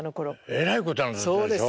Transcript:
えらいことになったでしょ？